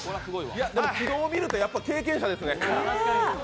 軌道を見るとやっぱり経験者ですね。